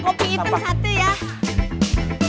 kopi hitam satu ya